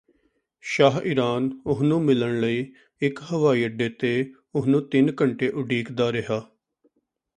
ਸ਼ਾਹ Iran ਉਹਨੂੰ ਮਿਲਣ ਲਈ ਇਕ ਹਵਾਈ ਅੱਡੇ ਤੇ ਉਹਨੂੰ ਤਿੰਨ ਘੰਟੇ ਉਡੀਕਦਾ ਰਿਹਾ